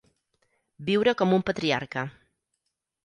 Viure com un patriarca.